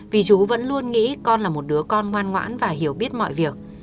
vì chú vẫn luôn nghĩ con là một đứa con ngoan ngoãn và hiểu biết mọi việc